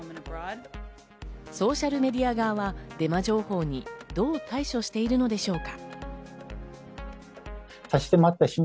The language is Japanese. ソーシャルメディア側はデマ情報にどう対処しているのでしょうか？